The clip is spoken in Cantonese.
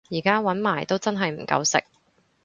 而家搵埋都真係唔夠食